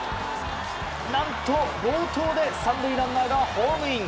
何と暴投で３塁ランナーがホームイン。